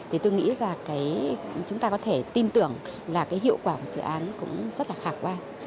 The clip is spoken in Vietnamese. thì tôi nghĩ là chúng ta có thể tin tưởng là cái hiệu quả của dự án cũng rất là khả quan